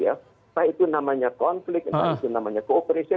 apakah itu namanya konflik namanya kooperasi